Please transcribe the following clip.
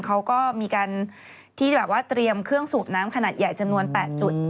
เขาก็มีการที่แบบว่าเตรียมเครื่องสูบน้ำขนาดใหญ่จำนวน๘จุด